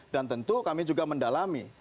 dan tentu kami juga mendalami